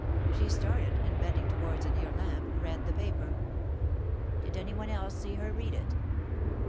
She started, and bending towards a near lamp, read the paper." "Did anyone else see her read it?"